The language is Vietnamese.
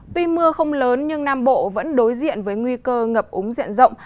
tuy mưa không lớn nhưng nam bộ vẫn đối diện với nguy cơ ngập úng diện rộng